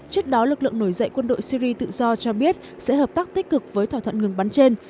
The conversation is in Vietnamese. trước đó lực lượng nổi dậy quân đội syri tự do cho biết sẽ hợp tác tích cực với thỏa thuận ngừng bắn trên